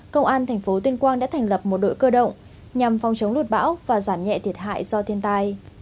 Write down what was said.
công an thành phố tuyên quang đã thành lập một đội cơ động nhằm phòng chống lụt bão và giảm nhẹ thiệt hại do thiên tai